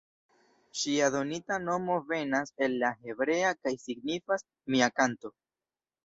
Ŝia donita nomo venas el la hebrea kaj signifas „mia kanto“.